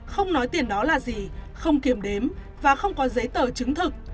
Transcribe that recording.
không nói tiền đó là gì không kiểm đếm và không có giấy tờ chứng thực